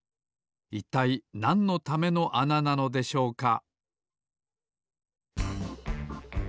いったいなんのためのあななのでしょうか？